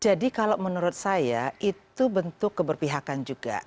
jadi kalau menurut saya itu bentuk keberpihakan juga